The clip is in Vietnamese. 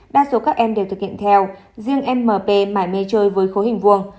đa số các em đều thực hiện theo riêng mp mãi mê chơi với khối hình vuông